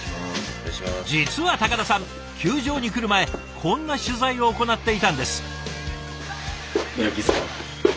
実は高田さん球場に来る前こんな取材を行っていたんです。